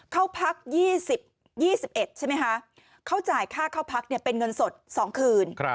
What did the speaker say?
เข้าพัก๒๑ใช่ไหมคะเขาจ่ายค่าเข้าพักเป็นเงินสด๒คืน